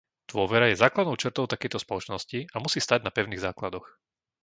Dôvera je základnou črtou takejto spoločnosti a musí stáť na pevných základoch.